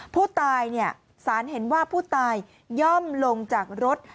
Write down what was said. ผู้ตายสารเห็นว่าผู้ตายย่อมลงจากรถ